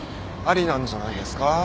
ありなんじゃないですか？